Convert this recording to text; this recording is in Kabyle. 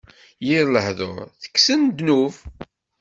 Yir lehduṛ, tekksen ddnub;